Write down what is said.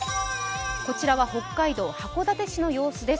こちらは北海道函館市の様子です。